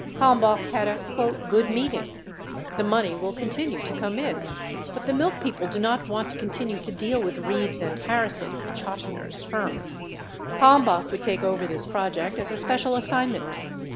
Kalm bach had a "good meeting" ; the money will continue to come in, but the milk people do not want to continue to deal with Reeves & Harrison (Chotiner's firm). Kalmbach would take over this project as a special assignment.